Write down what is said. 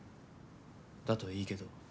だといいけど。